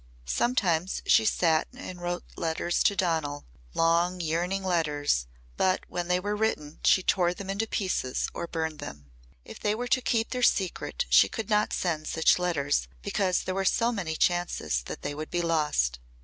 Sometimes she sat and wrote letters to Donal long yearning letters, but when they were written she tore them into pieces or burned them. If they were to keep their secret she could not send such letters because there were so many chances that they would be lost.